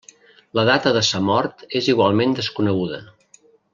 La data de sa mort és igualment desconeguda.